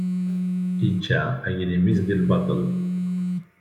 Ičča aglim-is di lbaṭel.